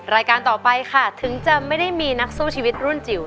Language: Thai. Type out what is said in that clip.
รายการต่อไปค่ะถึงจะไม่ได้มีนักสู้ชีวิตรุ่นจิ๋ว